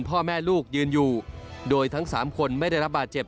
พ่อแม่ลูกยืนอยู่โดยทั้งสามคนไม่ได้รับบาดเจ็บ